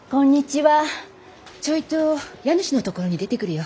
ちょいと家主のところに出てくるよ。